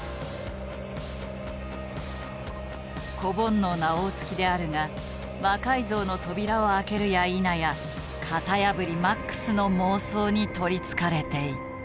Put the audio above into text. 子ぼんのうな大槻であるが魔改造の扉を開けるやいなや型破りマックスの妄想に取りつかれていった。